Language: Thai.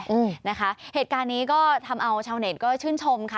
อืมนะคะเหตุการณ์นี้ก็ทำเอาชาวเน็ตก็ชื่นชมค่ะ